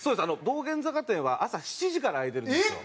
道玄坂店は朝７時から開いてるんですよ。